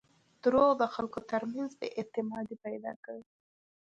• دروغ د خلکو ترمنځ بېاعتمادي پیدا کوي.